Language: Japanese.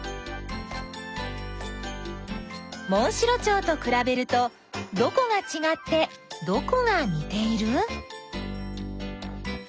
モンシロチョウとくらべるとどこがちがってどこがにている？